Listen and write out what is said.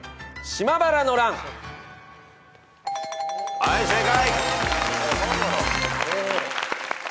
はい正解。